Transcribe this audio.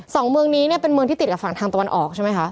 สองเมืองนี้เนี่ยเป็นเมืองที่ติดกับฝั่งทางตะวันออกใช่ไหมคะ